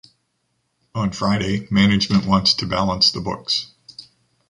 On Friday, management wants to balance the books.